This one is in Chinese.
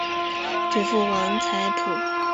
祖父王才甫。